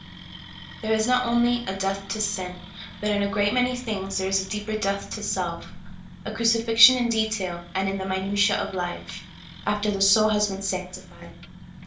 THERE is not only a death to sin, but in a great many things there is a deeper death to self — a crucifixion in detail, and in the minutia of life — after the soul has been sanctified.